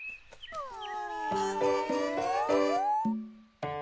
うん？